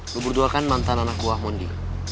lo berdua kan mantan anak buah mondi